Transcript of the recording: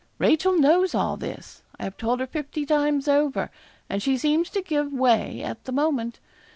Rachel knows all this. I have told her fifty times over, and she seems to give way at the moment.